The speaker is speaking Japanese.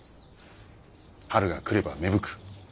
春が来れば芽吹く。